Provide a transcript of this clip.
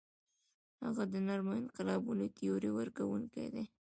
هغه د نرمو انقلابونو تیوري ورکوونکی دی.